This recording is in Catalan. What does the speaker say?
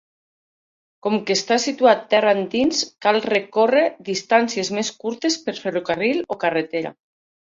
Com que està situat terra endins, cal recórrer distàncies més curtes per ferrocarril o carretera.